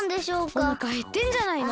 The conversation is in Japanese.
おなかへってんじゃないの？